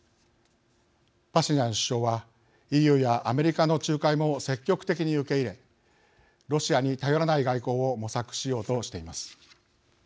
パシニャン首相はＥＵやアメリカの仲介も積極的に受け入れロシアに頼らない外交を模索しようとしています。